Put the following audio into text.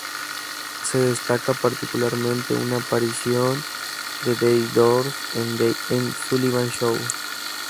Se destaca particularmente una aparición de The Doors en "The Ed Sullivan Show".